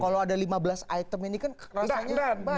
kalau ada lima belas item ini kan rasanya